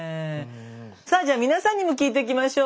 さあじゃあ皆さんにも聞いていきましょう。